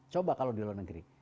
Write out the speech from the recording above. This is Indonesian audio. coba kalau di luar negeri